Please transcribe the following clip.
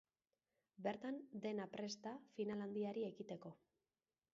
Bertan dena dago prest da final handiari ekiteko.